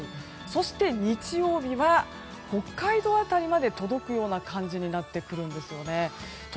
そして日曜日は北海道辺りまで届くような感じになってくるんですよね。